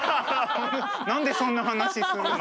何でそんな話するの。